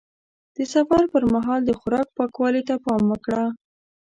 د سفر پر مهال د خوراک پاکوالي ته پام وکړه.